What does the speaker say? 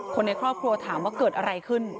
คนในครอบครัวถามว่าเกิดอะไรขึ้น